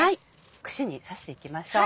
串に刺していきましょう。